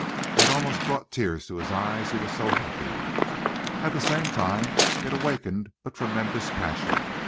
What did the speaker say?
It almost brought tears to his eyes, he was so happy. At the same time it awakened a tremendous passion.